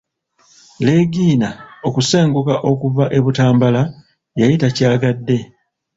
Leegina okusenguka okuva e Butambala yali takyagadde.